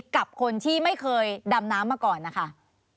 กับคนที่ไม่เคยดำน้ำมาก่อนนะคะ